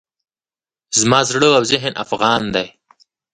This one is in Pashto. زما زړه او ذهن افغان دی.